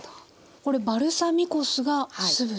これバルサミコ酢が酢豚